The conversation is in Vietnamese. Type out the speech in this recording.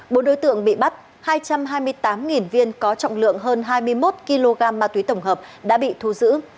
bộ đối tượng bị bắt hai trăm hai mươi tám viên có trọng lượng hơn hai mươi một kg ma túy tổng hợp đã bị thu giữ